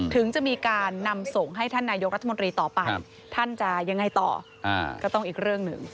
ถึงจะมีการนำส่งให้ท่านนายกรัฐมนตรีต่อไปท่านจะยังไงต่อก็ต้องอีกเรื่องหนึ่ง